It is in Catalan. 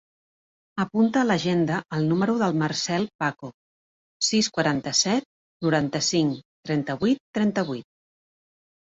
Apunta a l'agenda el número del Marcèl Paco: sis, quaranta-set, noranta-cinc, trenta-vuit, trenta-vuit.